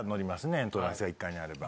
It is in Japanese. エントランスが１階にあれば。